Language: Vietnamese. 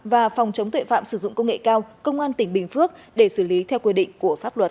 và phòng chống tuệ phạm sử dụng công nghệ cao công an tỉnh bình phước để xử lý theo quy định của pháp luật